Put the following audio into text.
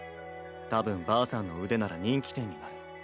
たぶんばあさんの腕なら人気店になる。